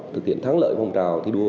thực hiện thắng lợi phong trào thi đua